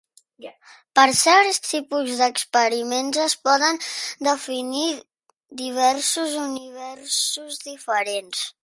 Per a certs tipus d'experiments, es poden definir diversos universos diferents.